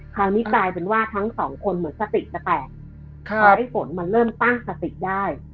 คราวนี้กลายเป็นว่าทั้งสองคนเหมือนสติจะแตกทำให้ฝนมันเริ่มตั้งสติได้